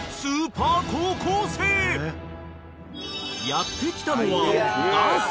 ［やって来たのは元祖